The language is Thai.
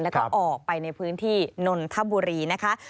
แล้วก็ออกไปในพื้นที่นนทบุรีนะคะ